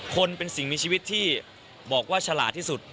คนเป็นสิ่งมีชีวิตที่บอกว่าฉลาดที่สุด